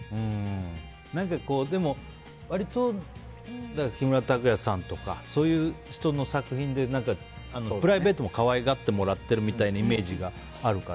でも、割と木村拓哉さんとかそういう人の作品でプライベートも可愛がってもらってるみたいなイメージがあるから。